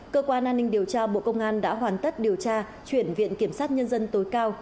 cơ quan an ninh điều tra bộ công an đã hoàn tất điều tra chuyển viện kiểm sát nhân dân tối cao